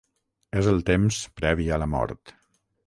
És el temps previ a la mort.